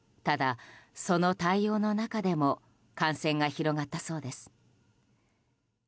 ただ、その対応の中でも感染が広がったそうです。